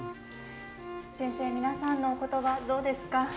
先生、皆さんのおことばどうですか？